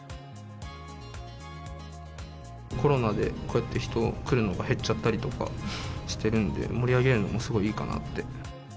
コロナでこうやって人、来るのが減っちゃったりとかしているんで、盛り上げるのもすごいいいかなぁって。